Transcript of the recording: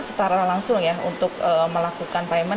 setara langsung ya untuk melakukan payment